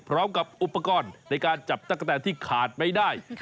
พร้อมกับอุปกรณ์ในการจับตะกะแตนที่ขาดไม่ได้